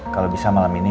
kalau bisa malam ini